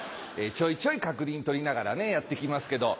ちょいちょい確認取りながらやっていきますけど。